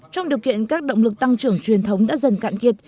trong điều kiện các động lực tăng trưởng truyền thống đã dần cạn kiệt